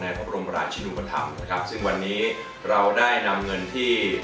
พระบรมราชินุปธรรมนะครับซึ่งวันนี้เราได้นำเงินที่